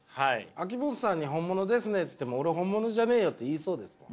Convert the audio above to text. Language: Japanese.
秋元さんに「本物ですね」っつっても「俺本物じゃねえよ」って言いそうですもん。